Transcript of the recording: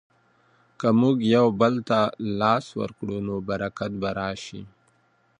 که موږ یو بل ته لاس ورکړو نو برکت به راسي.